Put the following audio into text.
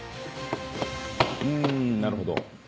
うーんなるほど。